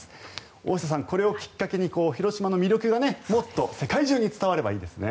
大下さん、これをきっかけに広島の魅力がもっと世界中に伝わればいいですね。